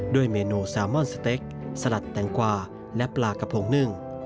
เมนูแซลมอนสเต็กสลัดแตงกวาและปลากระพงนึ่ง